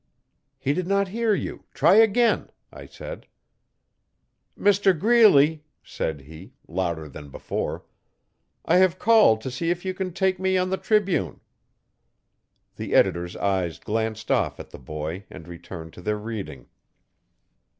'He did not hear you try again,' I said. 'Mr Greeley,' said he, louder than before, 'I have called to see if you can take me on the Tribune.' The editor's eyes glanced off at the boy and returned to their reading.